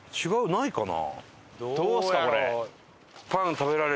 ないかな？